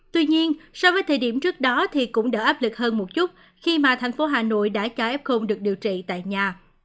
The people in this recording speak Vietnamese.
tuy nhiên so với thời điểm trước đó thì cũng đỡ áp lực hơn một chút khi mà thành phố hà nội đã cho f được điều trị tại nhà